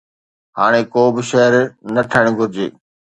هاڻي ڪو به شهر نه ٺهڻ گهرجي